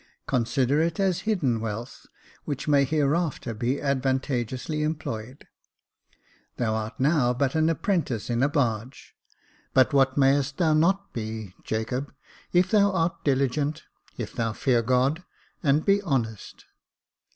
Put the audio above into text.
Consider it as hidden wealth, which may hereafter be advantageously employed. Thou art now but an apprentice in a barge ; but what mayest thou not be, Jacob, if thou art diligent — if thou fear God, and be honest